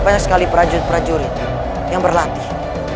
banyak sekali prajurit prajurit yang berlatih